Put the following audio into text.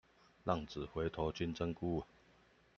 浪子回頭金針菇